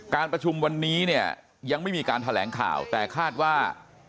การประชุมวันนี้เนี่ยยังไม่มีการแถลงข่าวแต่คาดว่า